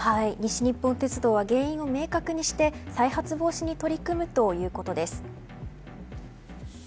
西日本鉄道は原因を明確にして再発防止に取り組むということです。